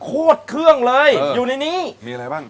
โคตรเครื่องเลยอยู่ในนี้มีอะไรบ้าง